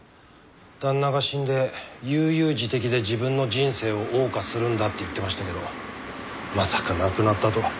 旦那が死んで悠々自適で自分の人生を謳歌するんだって言ってましたけどまさか亡くなったとは。